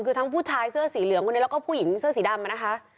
คือทั้งผู้ชายเสื้อสีเหลืองคนนี้แล้วก็ผู้หญิงเสื้อสีดำนะคะ